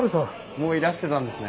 もういらしてたんですね。